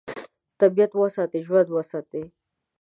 طبیعت وساتئ، ژوند وساتئ.